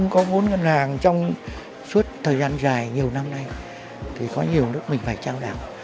có vốn ngân hàng trong suốt thời gian dài nhiều năm nay thì có nhiều nước mình phải trao đảm